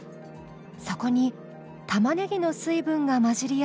そこに玉ねぎの水分が混じり合って